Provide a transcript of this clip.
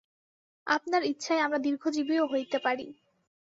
আপনার ইচ্ছায় আমরা দীর্ঘজীবীও হইতে পারি।